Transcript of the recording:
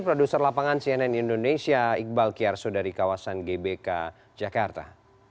produser lapangan cnn indonesia iqbal kiyarso dari kawasan gbk jakarta